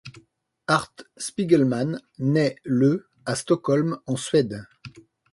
Art Spiegelman naît le à Stockholm en Suède.